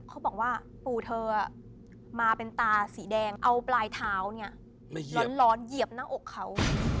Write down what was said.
เขาบอกว่าปู่เธอมาเป็นตาสีแดงเอาปลายเท้าเนี่ยร้อนเหยียบหน้าอกเขา